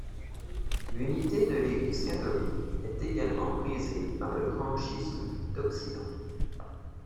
L'unité de l'Église catholique est également brisée par le grand schisme d'Occident.